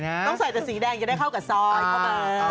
ต้องใส่แต่สีแดงจะได้เข้ากับซอยเข้ามา